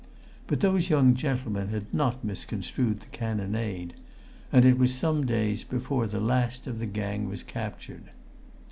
But those young gentlemen had not misconstrued the cannonade. And it was some days before the last of the gang was captured.